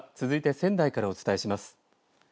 続いて仙台からお伝えします。